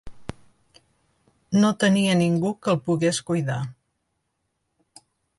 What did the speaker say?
No tenia ningú que el pogués cuidar.